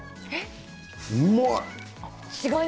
うまい！